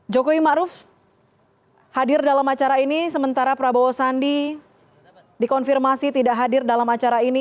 jokowi ⁇ maruf ⁇ hadir dalam acara ini sementara prabowo sandi dikonfirmasi tidak hadir dalam acara ini